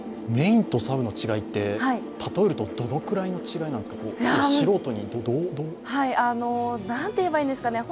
メーンとサブの違いって、例えるとどのぐらいの違いなんですか？